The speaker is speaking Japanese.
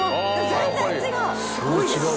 全然違うわ。